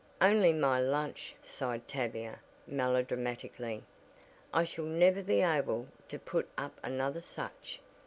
"Only my lunch," sighed Tavia, melodramatically. "I shall never be able to put up another such!"